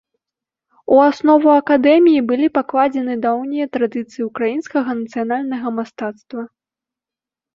У аснову акадэміі былі пакладзены даўнія традыцыі ўкраінскага нацыянальнага мастацтва.